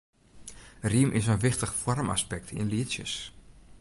Rym is in wichtich foarmaspekt yn lietsjes.